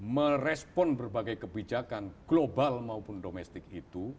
merespon berbagai kebijakan global maupun domestik itu